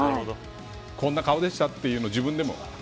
こんな顔でしたというのを自分でも。